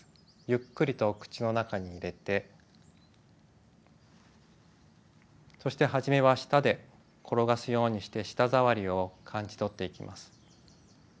ゆっくりと口の中に入れてそしてはじめは舌で転がすようにして舌触りを感じ取っていきます。